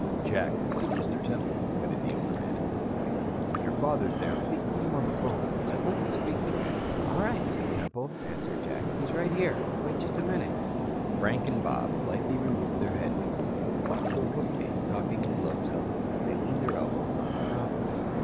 "Jack, this is Mr. Temple," cut in the older man at this point. "If your father is there, please put him on the phone. I'd like to speak to him." "All right, Mr. Temple," answered Jack. "He's right here. Wait just a minute." Frank and Bob politely removed their headpieces and walked to a bookcase, talking in low tones, as they leaned their elbows on the top of it.